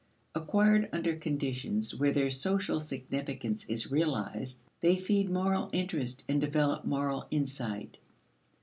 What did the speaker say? Acquired under conditions where their social significance is realized, they feed moral interest and develop moral insight.